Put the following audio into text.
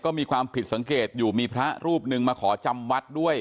มีความผิดสังเกตอยู่มีพระรูปหนึ่งมาขอจำวัดด้วย